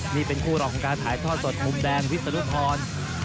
นี่เป็นคู่รองของการถ่ายทอดสดมุมแดงวิศนุพร